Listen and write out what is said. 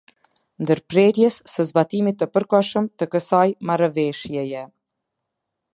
Ndërprerjes së zbatimit të përkohshëm të kësaj Marrëveshjeje.